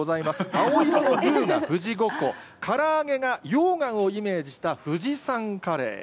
青色のルーが富士五湖、から揚げが溶岩をイメージした富士山カレー。